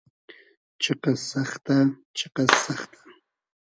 چیقئس سئختۂ ..... چیقئس سئختۂ .....